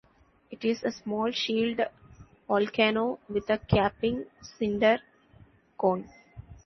It is a small shield volcano with a capping cinder cone.